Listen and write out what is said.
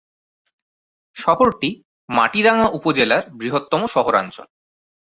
শহরটি মাটিরাঙ্গা উপজেলার বৃহত্তম শহরাঞ্চল।